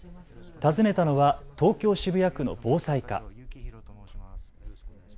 訪ねたのは東京渋谷区の防災課。